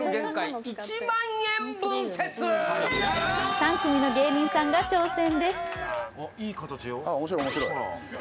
３組の芸人さんが挑戦です。